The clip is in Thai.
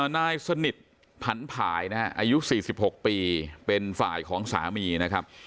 นายสนิทผันผายนะฮะอายุ๔๖ปีเป็นฝ่ายของสามีนะครับ